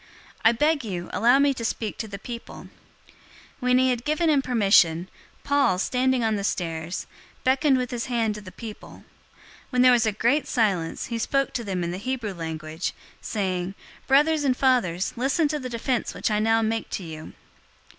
I beg you, allow me to speak to the people." 021:040 When he had given him permission, Paul, standing on the stairs, beckoned with his hand to the people. When there was a great silence, he spoke to them in the Hebrew language, saying, 022:001 "Brothers and fathers, listen to the defense which I now make to you."